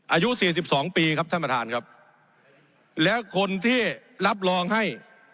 อายุสี่สิบสองปีครับท่านประธานครับแล้วคนที่รับรองให้